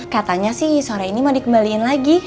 katanya sih sore ini mau dikembaliin lagi